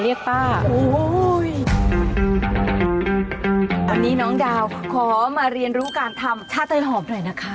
วันนี้น้องดาวขอมาเรียนรู้การทำชาติไทยหอมหน่อยนะคะ